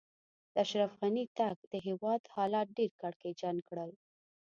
د اشرف غني تګ؛ د هېواد حالات ډېر کړکېچن کړل.